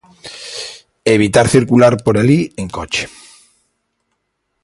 Evitar circular por alí en coche...